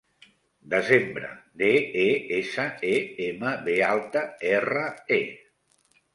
Desembre: de, e, essa, e, ema, be alta, erra, e.